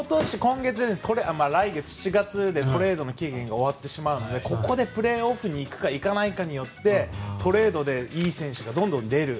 来月７月でトレードの期限が終わってしまうのでここでプレーオフに行くか行かないかによってトレードで、いい選手がどんどん出る。